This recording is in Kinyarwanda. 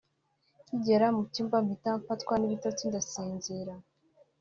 nkigera mu cyumba mpita mfatwa n’ibitotsi ndasinzira